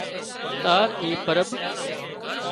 تار اي پرٻ